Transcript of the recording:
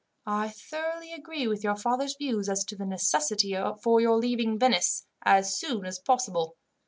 I thoroughly agree with your father's views as to the necessity for your leaving Venice, as soon as possible.